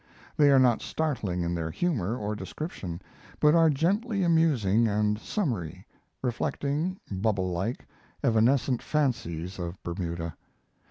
They are not startling in their humor or description, but are gently amusing and summery, reflecting, bubble like, evanescent fancies of Bermuda.